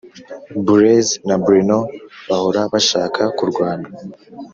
burezi na burino bahora bashaka kurwana